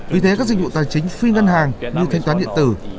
vì thế các dịch vụ tài chính phi ngân hàng như thanh toán điện tử